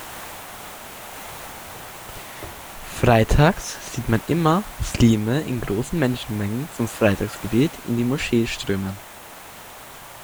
Freitags sieht man immer Muslime in großen Menschenmengen zum Freitagsgebet in die Moschee strömen.